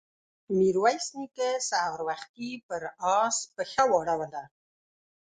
ميرويس نيکه سهار وختي پر آس پښه واړوله.